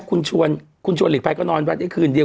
คุณชวนลิเซลภายก็นอนอาทิตย์คืนเดียว